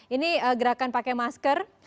ini gerakan pakai masker